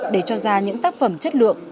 để cho ra những tác phẩm chất lượng